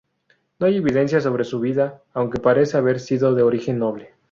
No hay evidencia sobre su vida, aunque parece haber sido de origen noble.